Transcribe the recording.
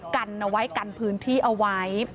กันเอาไว้กันพื้นที่เอาไว้